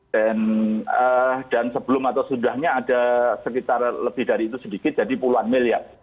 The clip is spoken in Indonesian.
dan sebelum atau sudahnya ada sekitar lebih dari itu sedikit jadi puluhan miliar